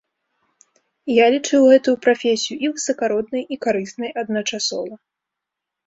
Я лічыў гэтую прафесію і высакароднай, і карыснай адначасова.